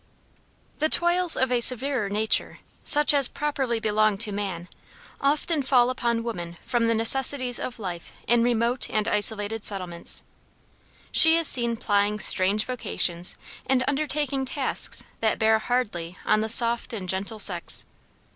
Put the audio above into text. The toils of a severer nature, such as properly belong to man, often fall upon woman from the necessities of life in remote and isolated settlements; she is seen plying strange vocations and undertaking tasks that bear hardly on the soft and gentle sex.